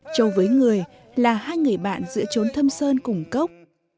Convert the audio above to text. châu với người là hai người bạn giữa trốn thâm sơn cùng cốc